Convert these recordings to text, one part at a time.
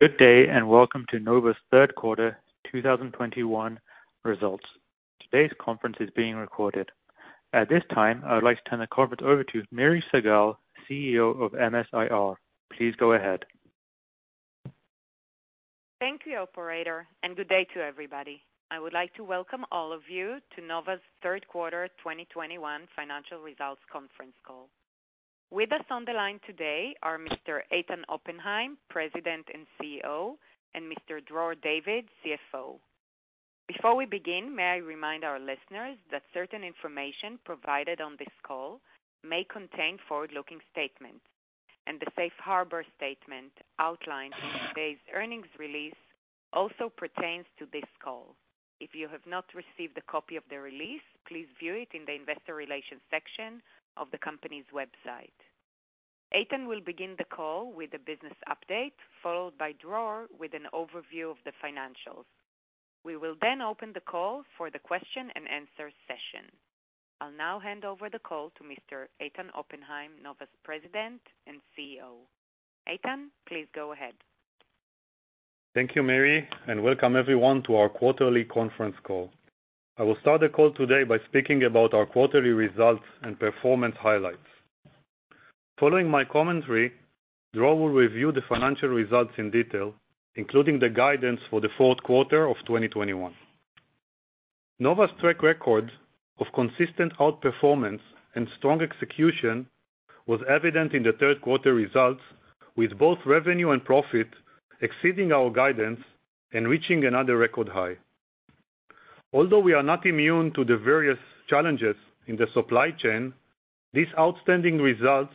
Good day, and welcome to Nova's Q3 2021 results. Today's conference is being recorded. At this time, I would like to turn the conference over to Miri Segal, CEO of MS-IR. Please go ahead. Thank you, operator, and good day to everybody. I would like to welcome all of you to Nova's Q3 2021 financial results conference call. With us on the line today are Mr. Eitan Oppenhaim, President and CEO, and Mr. Dror David, CFO. Before we begin, may I remind our listeners that certain information provided on this call may contain forward-looking statements and the safe harbor statement outlined in today's earnings release also pertains to this call. If you have not received a copy of the release, please view it in the investor relations section of the company's website. Eitan will begin the call with a business update, followed by Dror with an overview of the financials. We will then open the call for the Q&A session. I'll now hand over the call to Mr. Eitan Oppenhaim, Nova's President and CEO. Eitan, please go ahead. Thank you, Miri, and welcome everyone to our quarterly conference call. I will start the call today by speaking about our quarterly results and performance highlights. Following my commentary, Dror will review the financial results in detail, including the guidance for the Q4 of 2021. Nova's track record of consistent outperformance and strong execution was evident in the Q3 results, with both revenue and profit exceeding our guidance and reaching another record high. Although we are not immune to the various challenges in the supply chain, these outstanding results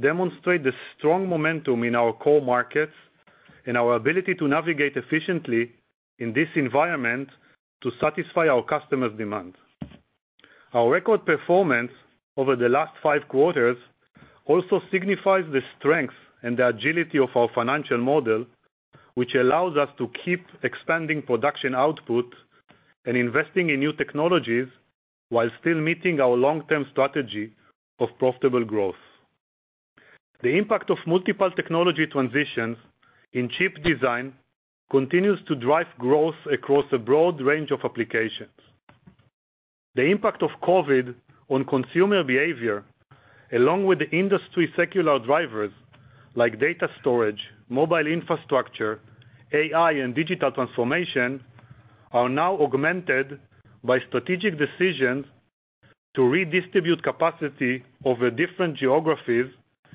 demonstrate the strong momentum in our core markets and our ability to navigate efficiently in this environment to satisfy our customers' demands. Our record performance over the last five quarters also signifies the strength and the agility of our financial model, which allows us to keep expanding production output and investing in new technologies while still meeting our long-term strategy of profitable growth. The impact of multiple technology transitions in chip design continues to drive growth across a broad range of applications. The impact of COVID on consumer behavior, along with the industry secular drivers like data storage, mobile infrastructure, AI, and digital transformation, are now augmented by strategic decisions to redistribute capacity over different geographies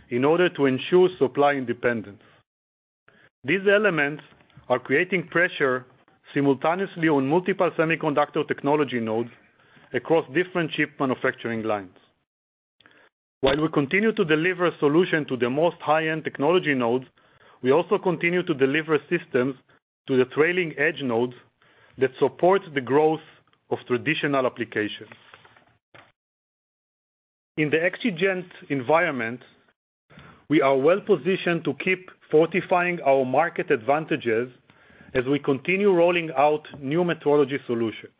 in order to ensure supply independence. These elements are creating pressure simultaneously on multiple semiconductor technology nodes across different chip manufacturing lines. While we continue to deliver solution to the most high-end technology nodes, we also continue to deliver systems to the trailing edge nodes that support the growth of traditional applications. In the exigent environment, we are well-positioned to keep fortifying our market advantages as we continue rolling out new metrology solutions.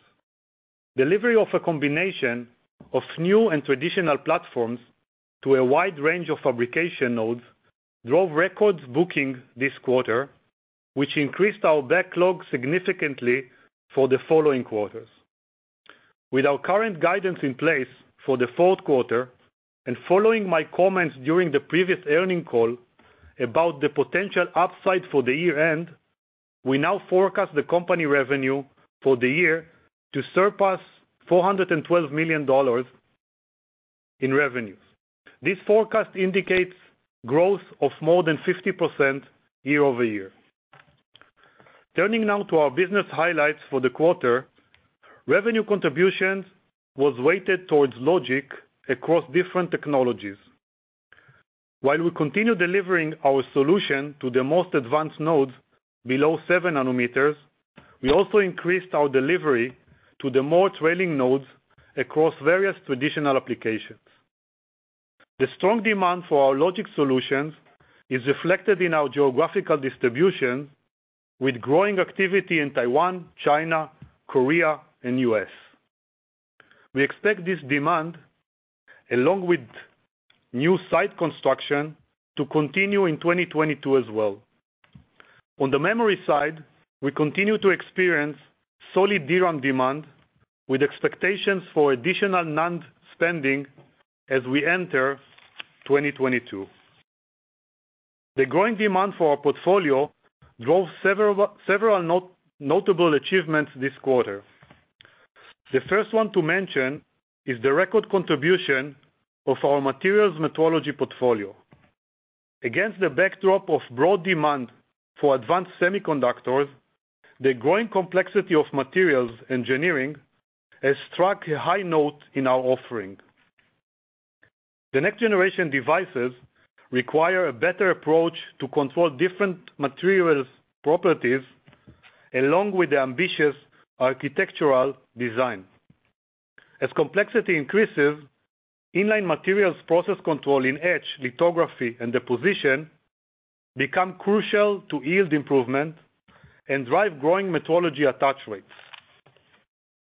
Delivery of a combination of new and traditional platforms to a wide range of fabrication nodes drove record bookings this quarter, which increased our backlog significantly for the following quarters. With our current guidance in place for the Q4, and following my comments during the previous earnings call about the potential upside for the year-end, we now forecast the company revenue for the year to surpass $412 million in revenues. This forecast indicates growth of more than 50% year-over-year. Turning now to our business highlights for the quarter. Revenue contributions was weighted towards logic across different technologies. While we continue delivering our solution to the most advanced nodes below seven nanometers, we also increased our delivery to the more trailing nodes across various traditional applications. The strong demand for our logic solutions is reflected in our geographical distribution, with growing activity in Taiwan, China, Korea, and U.S. We expect this demand, along with new site construction, to continue in 2022 as well. On the memory side, we continue to experience solid DRAM demand, with expectations for additional NAND spending as we enter 2022. The growing demand for our portfolio drove several notable achievements this quarter. The first one to mention is the record contribution of our materials metrology portfolio. Against the backdrop of broad demand for advanced semiconductors, the growing complexity of materials engineering has struck a high note in our offering. The next-generation devices require a better approach to control different materials properties, along with the ambitious architectural design. As complexity increases, in-line materials process control in etch, lithography, and deposition become crucial to yield improvement and drive growing metrology attach rates.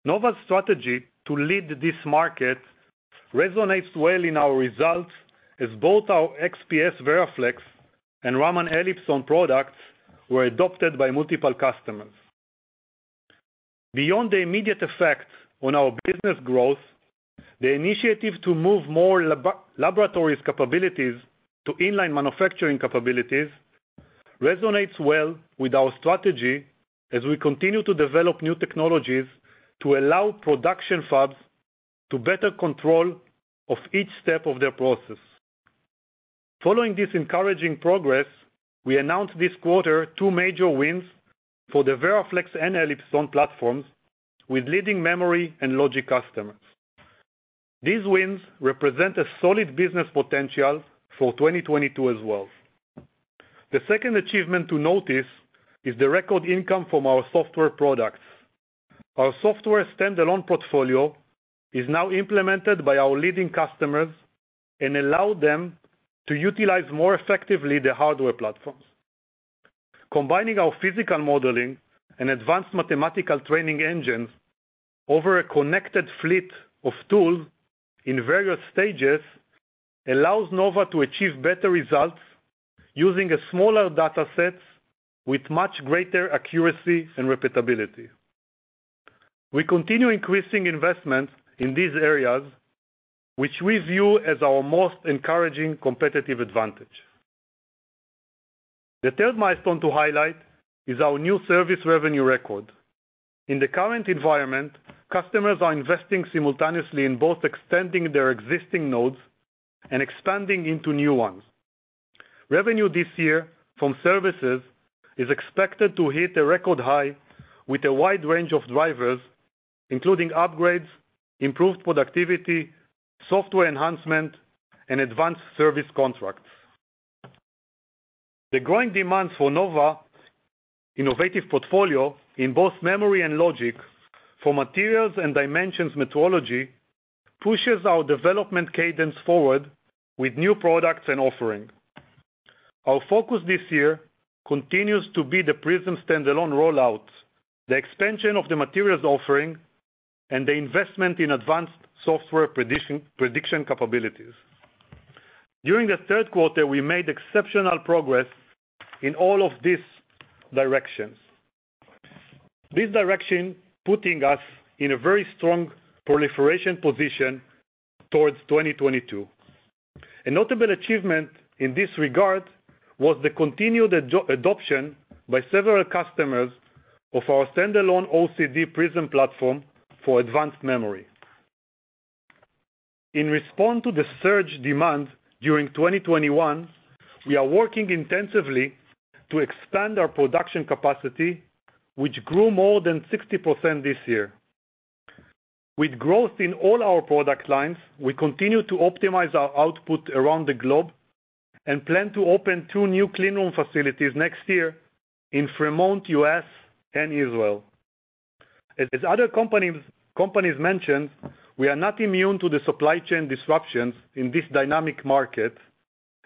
Nova's strategy to lead this market resonates well in our results as both our XPS VeraFlex and Raman Elipson products were adopted by multiple customers. Beyond the immediate effect on our business growth, the initiative to move more lab-to-laboratory capabilities to inline manufacturing capabilities resonates well with our strategy as we continue to develop new technologies to allow production fabs to better control of each step of their process. Following this encouraging progress, we announced this quarter, two major wins for the VeraFlex and Elipson platforms with leading memory and logic customers. These wins represent a solid business potential for 2022 as well. The second achievement to notice is the record income from our software products. Our software standalone portfolio is now implemented by our leading customers and allow them to utilize more effectively the hardware platforms. Combining our physical modeling and advanced mathematical training engines over a connected fleet of tools in various stages allows Nova to achieve better results using a smaller data sets with much greater accuracy and repeatability. We continue increasing investment in these areas, which we view as our most encouraging competitive advantage. The third milestone to highlight is our new service revenue record. In the current environment, customers are investing simultaneously in both extending their existing nodes and expanding into new ones. Revenue this year from services is expected to hit a record high with a wide range of drivers, including upgrades, improved productivity, software enhancement, and advanced service contracts. The growing demand for Nova's innovative portfolio in both memory and logic for materials and dimensions metrology pushes our development cadence forward with new products and offerings. Our focus this year continues to be the Prism standalone rollout, the expansion of the materials offering, and the investment in advanced software prediction capabilities. During the Q3, we made exceptional progress in all of these directions, this direction putting us in a very strong proliferation position towards 2022. A notable achievement in this regard was the continued adoption by several customers of our standalone OCD Prism platform for advanced memory. In response to the surging demand during 2021, we are working intensively to expand our production capacity, which grew more than 60% this year. With growth in all our product lines, we continue to optimize our output around the globe and plan to open two new cleanroom facilities next year in Fremont, U.S., and Israel. As other companies mentioned, we are not immune to the supply chain disruptions in this dynamic market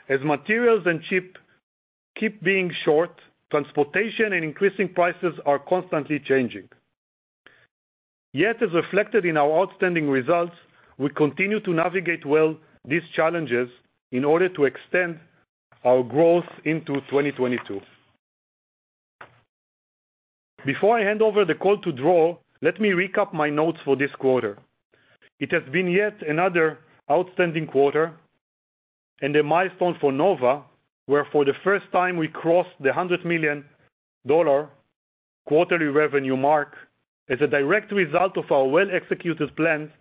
as materials and chips keep being short, transportation and increasing prices are constantly changing. Yet, as reflected in our outstanding results, we continue to navigate well these challenges in order to extend our growth into 2022. Before I hand over the call to Dror, let me recap my notes for this quarter. It has been yet another outstanding quarter and a milestone for Nova, where for the first time, we crossed the $100 million quarterly revenue mark as a direct result of our well-executed plans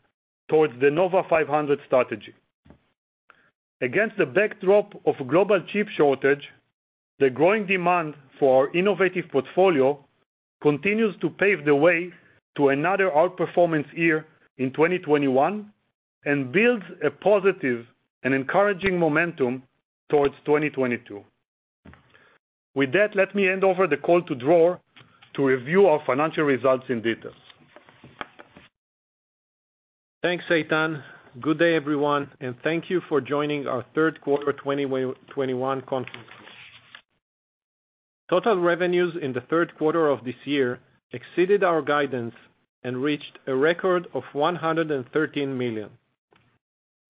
towards the Nova 500 strategy. Against the backdrop of global chip shortage, the growing demand for our innovative portfolio continues to pave the way to another outperformance year in 2021 and builds a positive and encouraging momentum towards 2022. With that, let me hand over the call to Dror to review our financial results in detail. Thanks, Eitan. Good day, everyone, and thank you for joining our Q3 2021 conference call. Total revenues in the Q3 of this year exceeded our guidance and reached a record of $113 million.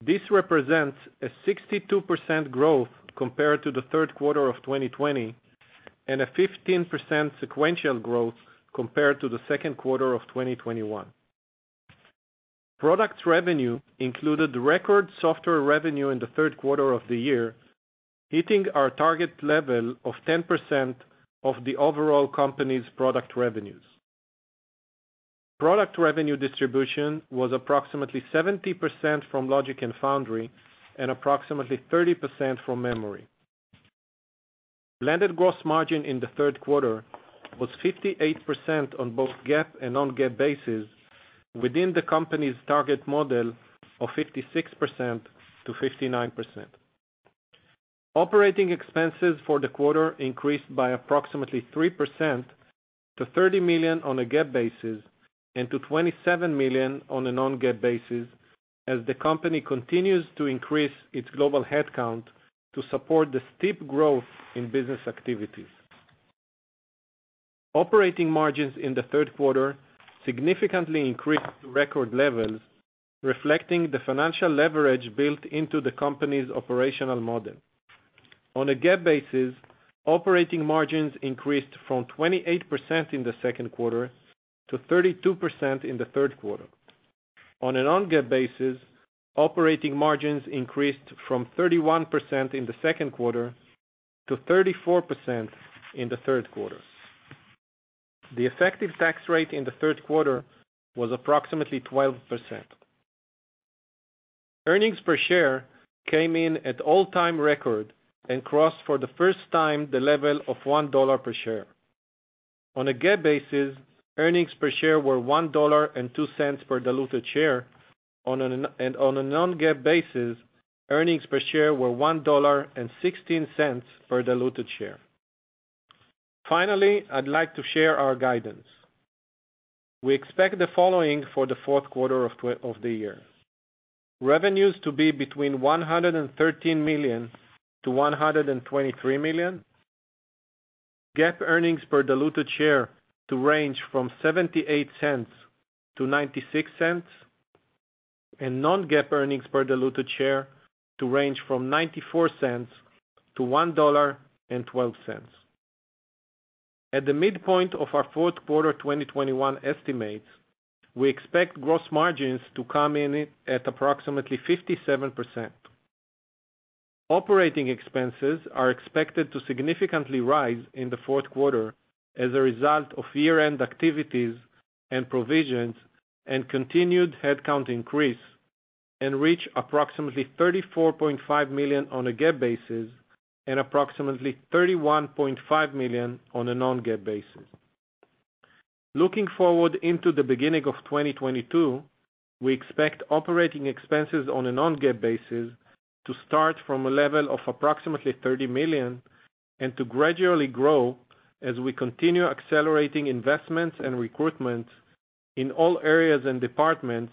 This represents a 62% growth compared to the Q3 of 2020 and a 15% sequential growth compared to the Q2 of 2021. Product revenue included record software revenue in the Q3 of the year, hitting our target level of 10% of the overall company's product revenues. Product revenue distribution was approximately 70% from logic and foundry and approximately 30% from memory. Landed gross margin in the Q3 was 58% on both GAAP and non-GAAP basis within the company's target model of 56%-59%. Operating expenses for the quarter increased by approximately 3% to $30 million on a GAAP basis and to $27 million on a non-GAAP basis as the company continues to increase its global headcount to support the steep growth in business activities. Operating margins in the Q3 significantly increased to record levels, reflecting the financial leverage built into the company's operational model. On a GAAP basis, operating margins increased from 28% in the Q2 to 32% in the Q3. On a non-GAAP basis, operating margins increased from 31% in the Q2 to 34% in the Q3. The effective tax rate in the Q3 was approximately 12%. Earnings per share came in at all-time record and crossed for the first time the level of $1 per share. On a GAAP basis, earnings per share were $1.02 per diluted share. On a non-GAAP basis, earnings per share were $1.16 per diluted share. Finally, I'd like to share our guidance. We expect the following for the Q4 of 2021. Revenues to be between $113 million-$123 million. GAAP earnings per diluted share to range from $0.78-$0.96, and non-GAAP earnings per diluted share to range from $0.94-$1.12. At the midpoint of our Q4 2021 estimates, we expect gross margins to come in at approximately 57%. Operating expenses are expected to significantly rise in the Q4 as a result of year-end activities and provisions, and continued headcount increase, and reach approximately $34.5 million on a GAAP basis, and approximately $31.5 million on a non-GAAP basis. Looking forward into the beginning of 2022, we expect operating expenses on a non-GAAP basis to start from a level of approximately $30 million and to gradually grow as we continue accelerating investments and recruitment in all areas and departments,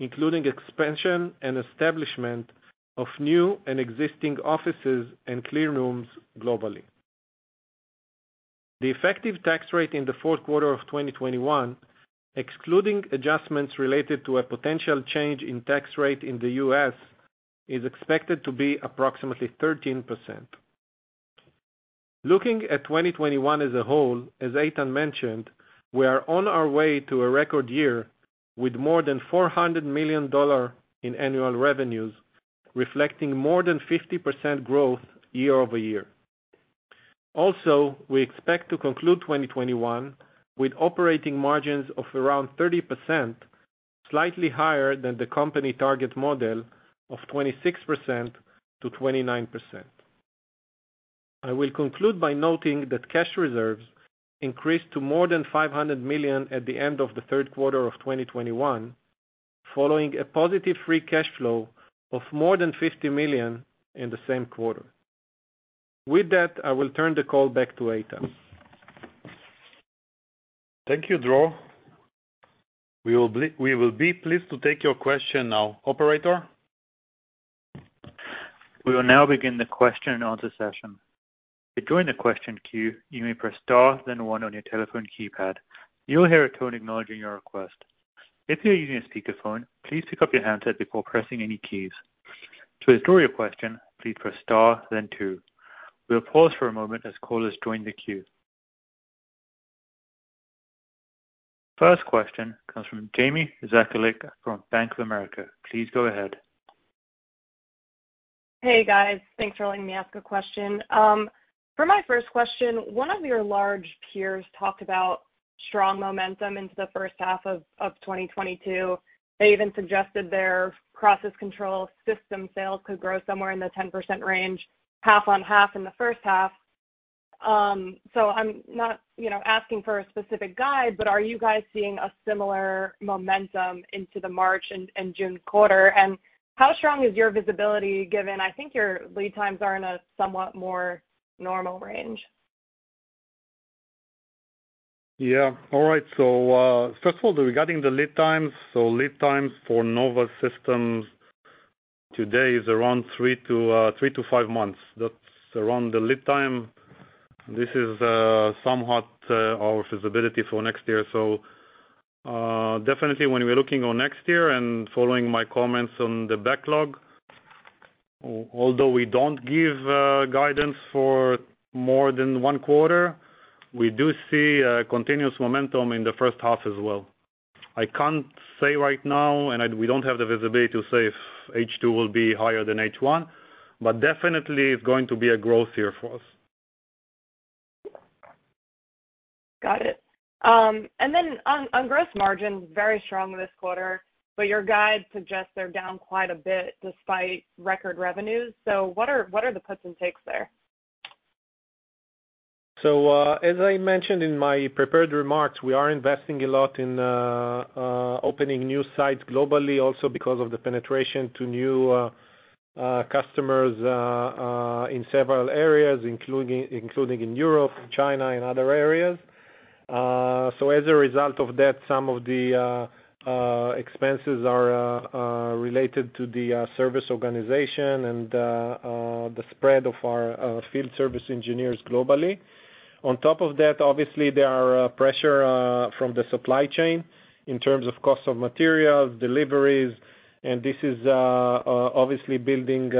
including expansion and establishment of new and existing offices and clean rooms globally. The effective tax rate in the Q4 of 2021, excluding adjustments related to a potential change in tax rate in the U.S., is expected to be approximately 13%. Looking at 2021 as a whole, as Eitan mentioned, we are on our way to a record year with more than $400 million in annual revenues, reflecting more than 50% growth year-over-year. We expect to conclude 2021 with operating margins of around 30%, slightly higher than the company target model of 26%-29%. I will conclude by noting that cash reserves increased to more than $500 million at the end of the Q3 of 2021, following a positive free cash flow of more than $50 million in the same quarter. With that, I will turn the call back to Eitan. Thank you, Dror. We will be pleased to take your question now. Operator? We will now begin the Q&A session. To join the question queue, you may press star then one on your telephone keypad. You will hear a tone acknowledging your request. If you are using a speakerphone, please pick up your handset before pressing any keys. To restore your question, please press star then two. We'll pause for a moment as callers join the queue. First question comes from Jamie Rebecca Zakalik from Bank of America. Please go ahead. Hey, guys. Thanks for letting me ask a question. For my first question, one of your large peers talked about strong momentum into the first half of 2022. They even suggested their process control system sales could grow somewhere in the 10% range, half on half in the first half. I'm not, you know, asking for a specific guide, but are you guys seeing a similar momentum into the March and June quarter? And how strong is your visibility given? I think your lead times are in a somewhat more normal range. Yeah. All right. First of all, regarding the lead times. Lead times for Nova System today is around three-five months. That's around the lead time. This is somewhat our visibility for next year. Definitely when we're looking on next year and following my comments on the backlog, although we don't give guidance for more than one quarter, we do see a continuous momentum in the first half as well. I can't say right now, and we don't have the visibility to say if H2 will be higher than H1, but definitely it's going to be a growth year for us. Got it. On gross margin, very strong this quarter, your guide suggests they're down quite a bit despite record revenues. What are the puts and takes there? As I mentioned in my prepared remarks, we are investing a lot in opening new sites globally also because of the penetration to new customers in several areas, including in Europe, China, and other areas. As a result of that, some of the expenses are related to the service organization and the spread of our field service engineers globally. On top of that, obviously, there are pressure from the supply chain in terms of cost of materials, deliveries, and this is obviously building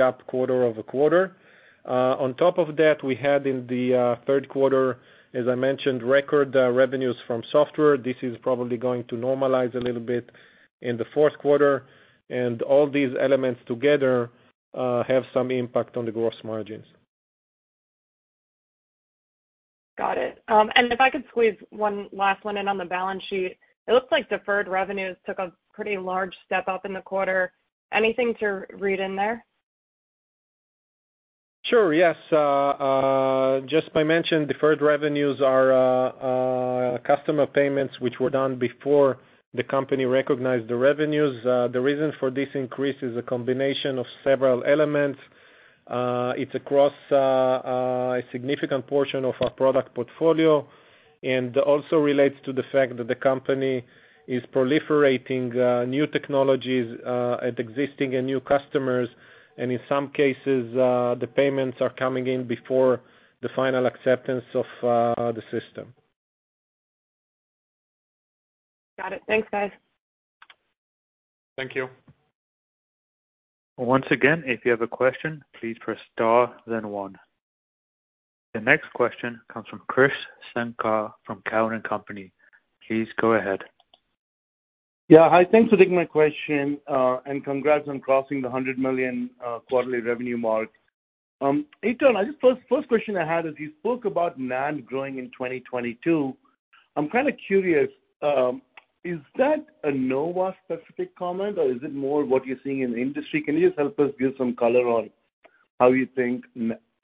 up quarter-over-quarter. On top of that, we had in the Q3, as I mentioned, record revenues from software. This is probably going to normalize a little bit in the Q4. All these elements together have some impact on the gross margins. Got it. If I could squeeze one last one in on the balance sheet. It looks like deferred revenues took a pretty large step up in the quarter. Anything to read in there? Sure. Yes. As I just mentioned, deferred revenues are customer payments which were done before the company recognized the revenues. The reason for this increase is a combination of several elements. It's across a significant portion of our product portfolio and also relates to the fact that the company is proliferating new technologies at existing and new customers. In some cases, the payments are coming in before the final acceptance of the system. Got it. Thanks, guys. Thank you. Once again, if you have a question, please press star then one. The next question comes from Krish Sankar from Cowen and Company. Please go ahead. Yeah. Hi. Thanks for taking my question, and congrats on crossing the $100 million quarterly revenue mark. Eitan, first question I had is, you spoke about NAND growing in 2022. I'm kinda curious, is that a Nova-specific comment or is it more what you're seeing in the industry? Can you just help us give some color on how you think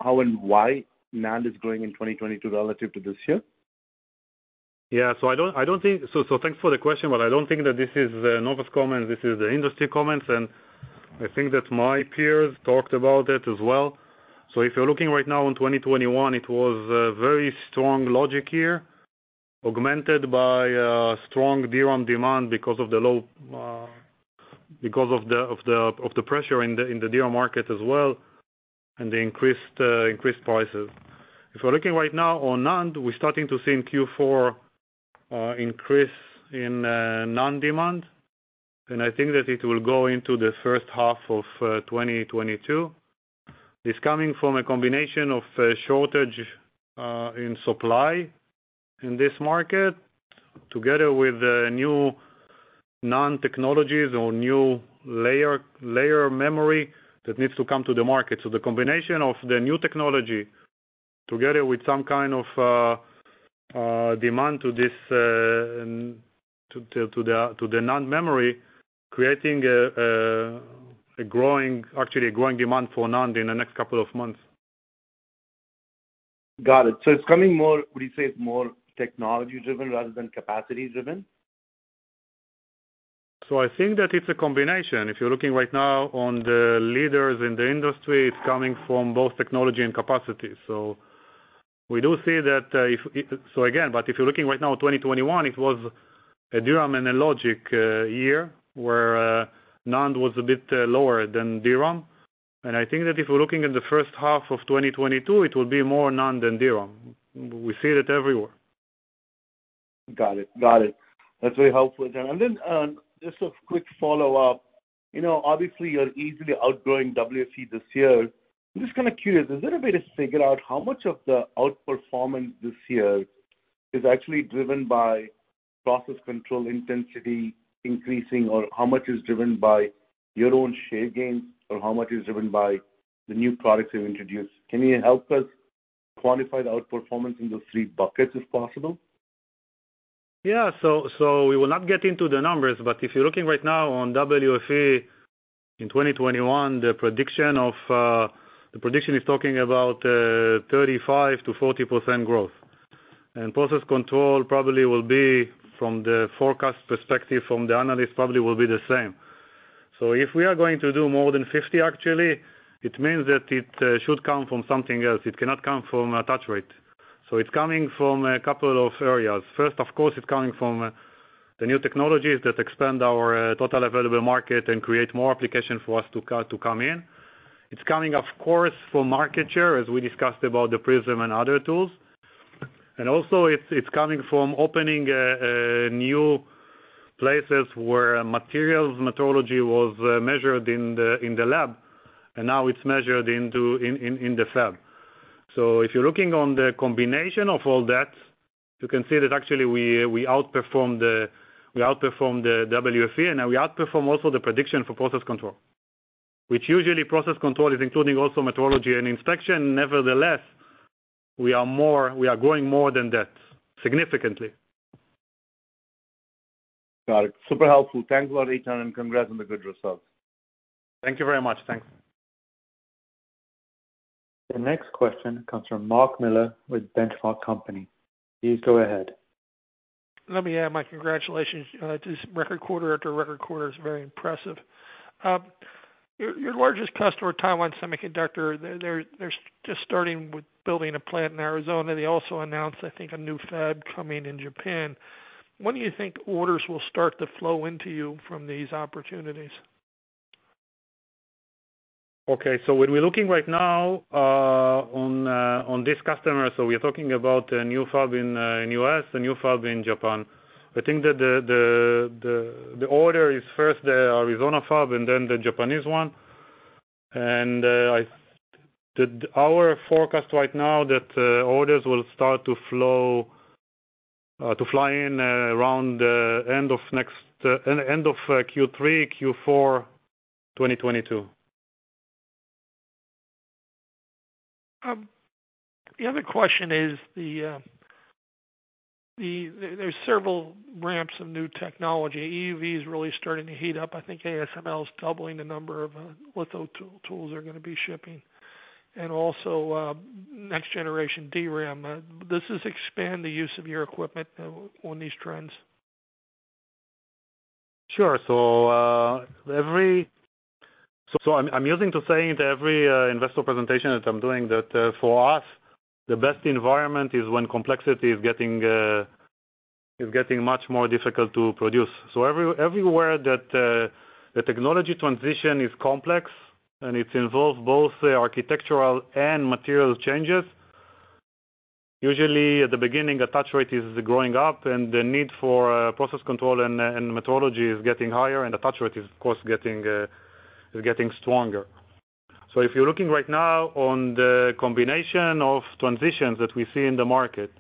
how and why NAND is growing in 2022 relative to this year? Thanks for the question, but I don't think that this is Nova's comment. This is the industry comments, and I think that my peers talked about it as well. If you're looking right now in 2021, it was a very strong logic year, augmented by strong DRAM demand because of the pressure in the DRAM market as well, and the increased prices. If we're looking right now on NAND, we're starting to see in Q4 increase in NAND demand. I think that it will go into the first half of 2022. It's coming from a combination of a shortage in supply in this market, together with the new NAND technologies or new layer memory that needs to come to the market. The combination of the new technology together with some kind of demand to the NAND memory, creating actually a growing demand for NAND in the next couple of months. Got it. It's coming more, would you say it's more technology-driven rather than capacity-driven? I think that it's a combination. If you're looking right now on the leaders in the industry, it's coming from both technology and capacity. We do see that if you're looking right now at 2021, it was a DRAM and a logic year, where NAND was a bit lower than DRAM. I think that if we're looking in the first half of 2022, it will be more NAND than DRAM. We see it everywhere. Got it. That's very helpful. Just a quick follow-up. You know, obviously, you're easily outgrowing WFE this year. I'm just kinda curious, is there a way to figure out how much of the outperformance this year is actually driven by process control intensity increasing, or how much is driven by your own share gains, or how much is driven by the new products you've introduced? Can you help us quantify the outperformance in those three buckets, if possible? Yeah. We will not get into the numbers, but if you're looking right now on WFE in 2021, the prediction is talking about 35%-40% growth. Process control probably will be from the forecast perspective from the analyst probably will be the same. If we are going to do more than 50%, actually, it means that it should come from something else. It cannot come from attach rate. It's coming from a couple of areas. First, of course, it's coming from the new technologies that expand our total available market and create more application for us to come in. It's coming, of course, from market share, as we discussed about the Prism and other tools. Also it's coming from opening new places where materials metrology was measured in the lab, and now it's measured in the fab. If you're looking on the combination of all that, you can see that actually we outperformed the WFE and now we outperform also the prediction for process control. Which usually process control is including also metrology and inspection. Nevertheless, we are growing more than that, significantly. Got it. Super helpful. Thanks a lot, Eitan, and congrats on the good results. Thank you very much. Thanks. The next question comes from Mark Miller with Benchmark Company. Please go ahead. Let me add my congratulations. This record quarter after record quarter is very impressive. Your largest customer, Taiwan Semiconductor, they're just starting with building a plant in Arizona. They also announced, I think, a new fab coming in Japan. When do you think orders will start to flow into you from these opportunities? Okay. When we're looking right now on this customer, so we're talking about a new fab in U.S., a new fab in Japan. I think that the order is first the Arizona fab and then the Japanese one. I think our forecast right now that orders will start to flow in around the end of Q3, Q4 2022. The other question is there's several ramps of new technology. EUV is really starting to heat up. I think ASML is doubling the number of litho tools they're gonna be shipping. Also, next generation DRAM. Does this expand the use of your equipment on these trends? Sure. I'm used to saying to every investor presentation that I'm doing that for us, the best environment is when complexity is getting much more difficult to produce. Everywhere that the technology transition is complex, and it involves both the architectural and material changes. Usually at the beginning, attach rate is growing up, and the need for process control and metrology is getting higher, and attach rate is, of course, getting stronger. If you're looking right now at the combination of transitions that we see in the market,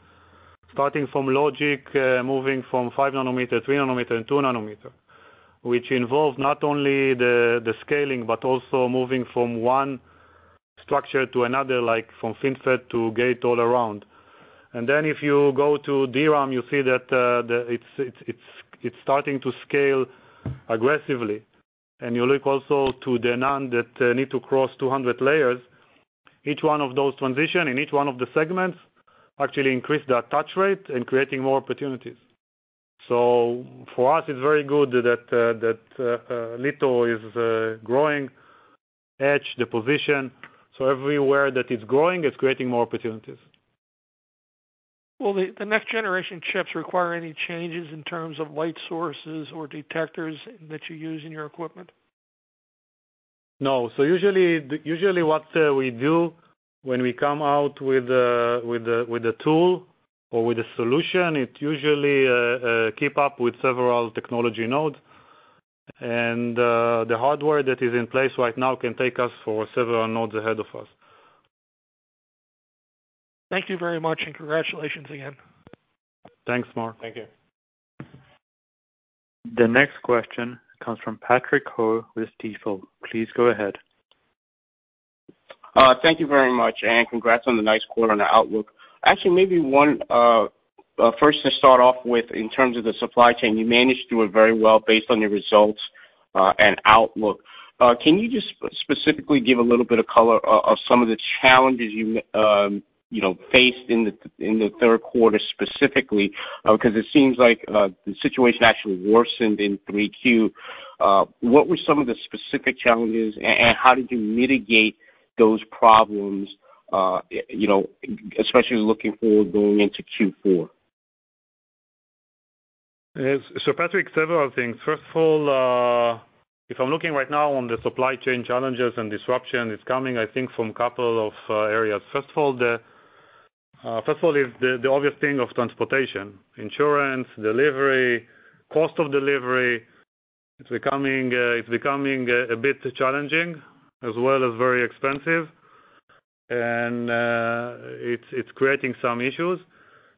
starting from logic, moving from 5 nanometer, 3 nanometer, and 2 nanometer, which involves not only the scaling, but also moving from one structure to another, like from FinFET to Gate-All-Around. If you go to DRAM, you see that it's starting to scale aggressively. You look also to the NAND that need to cross 200 layers. Each one of those transition in each one of the segments actually increase the attach rate and creating more opportunities. For us, it's very good that litho is growing, etch, deposition. Everywhere that it's growing, it's creating more opportunities. Will the next generation chips require any changes in terms of light sources or detectors that you use in your equipment? No. Usually what we do when we come out with the tool or with a solution, it usually keep up with several technology nodes. The hardware that is in place right now can take us for several nodes ahead of us. Thank you very much, and congratulations again. Thanks, Mark. Thank you. The next question comes from Patrick Ho with Stifel. Please go ahead. Thank you very much, and congrats on the nice quarter and the outlook. Actually, maybe one first to start off with in terms of the supply chain, you managed to do it very well based on your results and outlook. Can you just specifically give a little bit of color of some of the challenges you know faced in the Q3 specifically? 'Cause it seems like the situation actually worsened in Q3. What were some of the specific challenges, and how did you mitigate those problems, you know, especially looking forward going into Q4? Yes. Patrick, several things. First of all, if I'm looking right now on the supply chain challenges and disruption, it's coming, I think, from couple of areas. First of all is the obvious thing of transportation, insurance, delivery, cost of delivery, it's becoming a bit challenging as well as very expensive. It's creating some issues.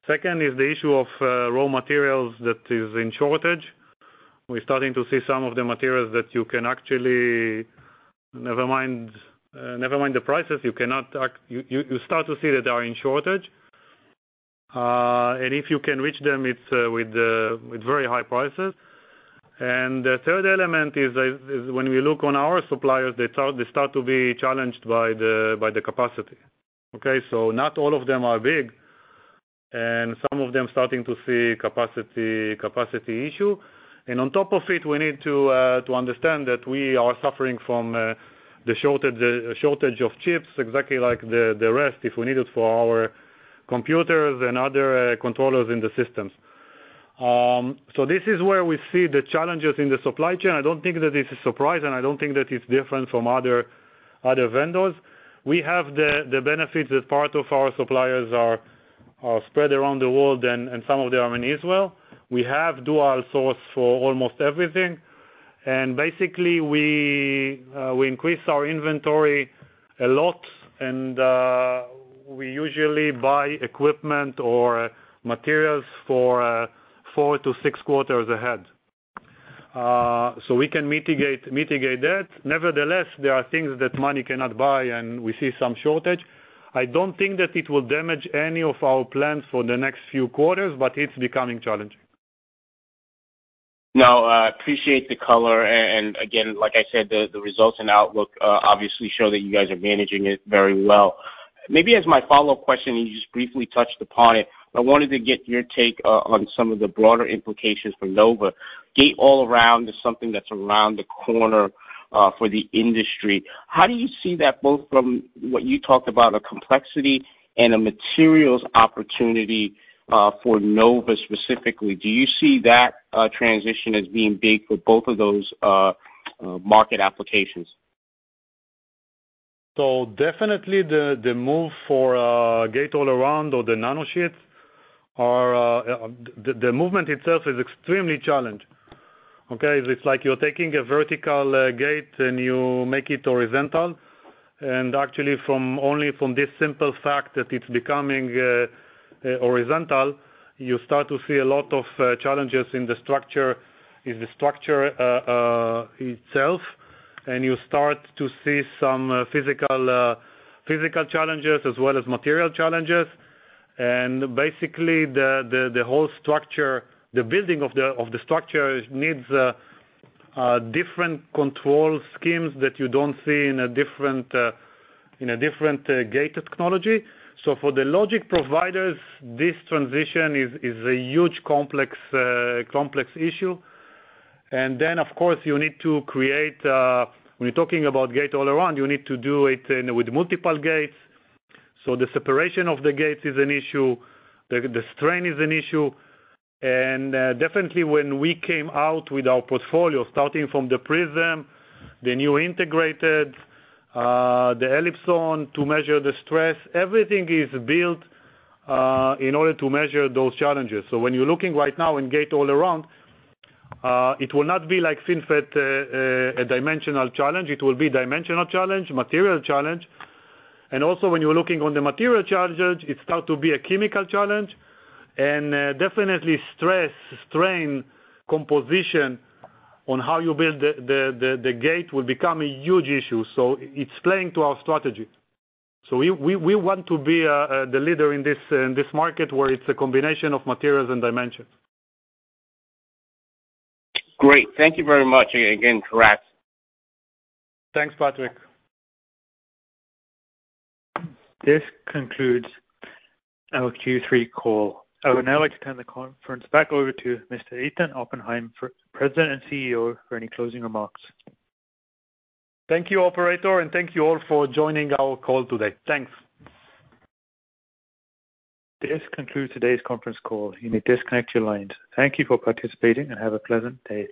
Second is the issue of raw materials that is in shortage. We're starting to see some of the materials you start to see that they are in shortage. And if you can reach them, it's with very high prices. The third element is when we look on our suppliers, they start to be challenged by the capacity, okay? So not all of them are big, and some of them starting to see capacity issue. On top of it, we need to understand that we are suffering from the shortage of chips, exactly like the rest if we need it for our computers and other controllers in the systems. So this is where we see the challenges in the supply chain. I don't think that this is surprising. I don't think that it's different from other vendors. We have the benefit that part of our suppliers are spread around the world and some of them are in Israel. We have dual source for almost everything. Basically, we increase our inventory a lot and we usually buy equipment or materials for four-six quarters ahead. We can mitigate that. Nevertheless, there are things that money cannot buy, and we see some shortage. I don't think that it will damage any of our plans for the next few quarters, but it's becoming challenging. No, appreciate the color. Again, like I said, the results and outlook obviously show that you guys are managing it very well. Maybe as my follow-up question, and you just briefly touched upon it, but I wanted to get your take on some of the broader implications for Nova. Gate-All-Around is something that's around the corner for the industry. How do you see that both from what you talked about, a complexity and a materials opportunity for Nova specifically? Do you see that transition as being big for both of those market applications? Definitely the move for Gate-All-Around or the nanosheets. The movement itself is extremely challenged, okay? It's like you're taking a vertical gate and you make it horizontal. Actually only from this simple fact that it's becoming horizontal, you start to see a lot of challenges in the structure itself. You start to see some physical challenges as well as material challenges. Basically, the whole structure, the building of the structure needs different control schemes that you don't see in a different gate technology. For the logic providers, this transition is a huge complex issue. Then of course, you need to create when you're talking about Gate-All-Around, you need to do it in with multiple gates. The separation of the gates is an issue. The strain is an issue. Definitely when we came out with our portfolio, starting from the Prism, the new integrated the ELIPSON to measure the stress, everything is built in order to measure those challenges. When you're looking right now in Gate-All-Around, it will not be like FinFET, a dimensional challenge. It will be dimensional challenge, material challenge. Also when you're looking on the material challenges, it start to be a chemical challenge. Definitely stress, strain composition on how you build the gate will become a huge issue. It's playing to our strategy. We want to be the leader in this market where it's a combination of materials and dimensions. Great. Thank you very much. Again, congrats. Thanks, Patrick. This concludes our Q3 call. I would now like to turn the conference back over to Mr. Eitan Oppenhaim, our President and CEO, for any closing remarks. Thank you, operator, and thank you all for joining our call today. Thanks. This concludes today's conference call. You may disconnect your lines. Thank you for participating, and have a pleasant day.